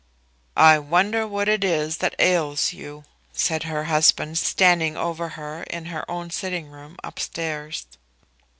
"I wonder what it is that ails you," said her husband, standing over her in her own sitting room up stairs.